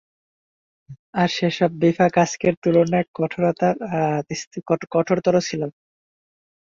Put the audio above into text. আর সে-সব বিভাগ আজকের তুলনায় কঠোরতর ছিল।